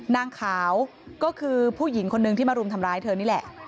นางขาวก็คือผู้หญิงคนนึงที่มารุมทำร้ายเธอนี่แหละ